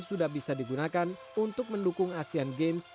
sudah bisa digunakan untuk mendukung asean games